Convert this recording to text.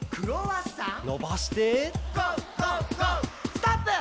「ストップ！」